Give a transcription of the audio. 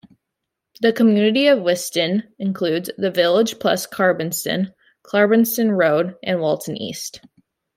The community of Wiston includes the village plus Clarbeston, Clarbeston Road and Walton East.